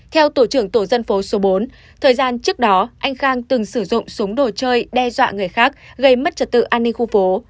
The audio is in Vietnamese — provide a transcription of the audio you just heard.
theo tổ trưởng tổ dân phố số bốn thời gian trước đó anh khang từng sử dụng súng đồ chơi đe dọa người khác gây mất trật tự an ninh khu phố